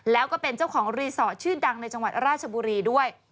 แล้วก็เป็นเจ้าของรีสอร์ทชื่อดังในจังหวัดราชบุรีด้วย